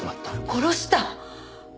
殺した！？